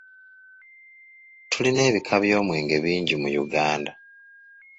Tulina ebika by'omwenge bingi mu Uganda.